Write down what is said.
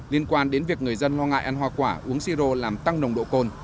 liên quan đến việc người dân lo ngại ăn hoa quả uống si rô làm tăng nồng độ cồn